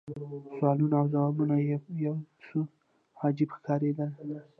سوالونه او ځوابونه یې یو څه عجیب ښکارېدل.